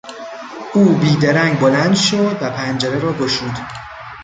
او بیدرنگ بلند شد و پنجره را گشود.